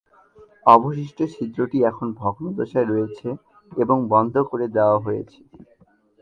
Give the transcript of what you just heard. অবশিষ্ট ছিদ্রটি এখন ভগ্নদশায় রয়েছে এবং বন্ধ করে দেওয়া হয়েছে।